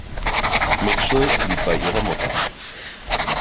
Mitchell blieb bei ihrer Mutter.